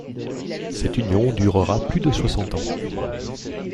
Cette union durera plus de soixante ans.